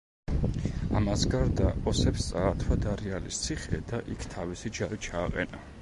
ამას გარდა ოსებს წაართვა დარიალის ციხე და იქ თავისი ჯარი ჩააყენა.